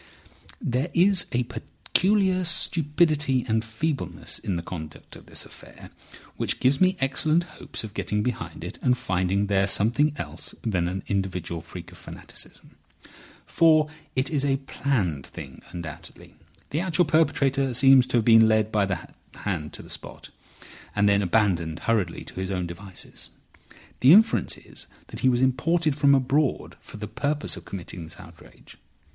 "There is a peculiar stupidity and feebleness in the conduct of this affair which gives me excellent hopes of getting behind it and finding there something else than an individual freak of fanaticism. For it is a planned thing, undoubtedly. The actual perpetrator seems to have been led by the hand to the spot, and then abandoned hurriedly to his own devices. The inference is that he was imported from abroad for the purpose of committing this outrage.